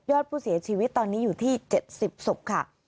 อดผู้เสียชีวิตตอนนี้อยู่ที่๗๐ศพค่ะ